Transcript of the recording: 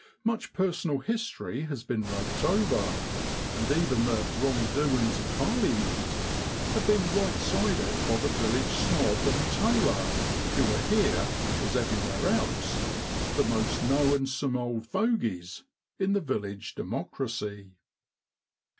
Much personal history has been raked over, and even the 'wrong doin's of Parleymint ' have been rightsided by the village snob and tailor, who are here, as everywhere else, ' the most knowin'some old fogies' in the village democracy.